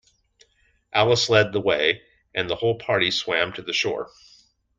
Alice led the way, and the whole party swam to the shore.